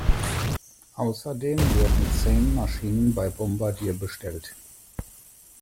Außerdem wurden zehn Maschinen bei Bombardier bestellt.